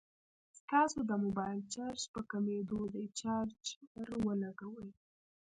ستاسو د موبايل چارج په کميدو دی ، چارجر ولګوئ